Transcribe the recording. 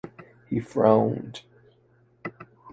He frowned.